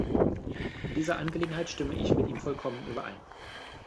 In dieser Angelegenheit stimme ich mit ihm vollkommen überein.